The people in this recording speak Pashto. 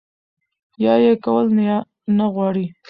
يا ئې کول نۀ غواړي